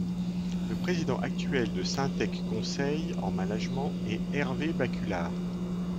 Le président actuel de Syntec Conseil en management est Hervé Baculard.